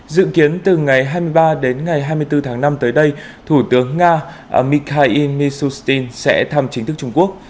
dự kiến từ ngày hai mươi ba đến ngày hai mươi bốn tháng năm tới đây thủ tướng nga mikhail mishustin sẽ thăm chính thức trung quốc